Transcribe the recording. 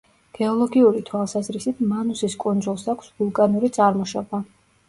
გეოლოგიური თვალსაზრისით მანუსის კუნძულს აქვს ვულკანური წარმოშობა.